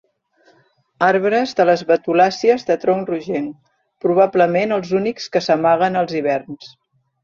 Arbres de les betulàcies de tronc rogenc, probablement els únics que s'amaguen als hiverns.